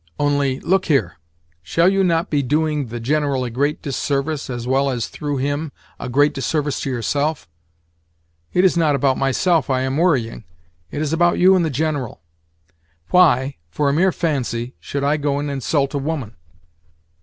Only, look here: shall you not be doing the General a great disservice, as well as, through him, a great disservice to yourself? It is not about myself I am worrying—it is about you and the General. Why, for a mere fancy, should I go and insult a woman?"